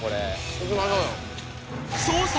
いきましょうよ！